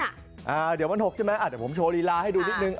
อะเดี๋ยวมันหกใช่ไหมผมโชว์ลีลาให้ดูนิดนึง